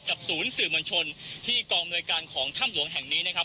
กับศูนย์สื่อมัญชนที่กองบริการของถ้ำหลวงแห่งนี้นะครับ